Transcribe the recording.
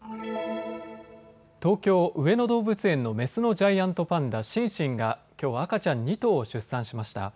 東京上野動物園のメスのジャイアントパンダ、シンシンがきょう、赤ちゃん２頭を出産しました。